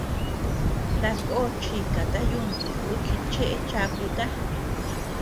Tako chikata yuntu ú chi cheʼe chakuta.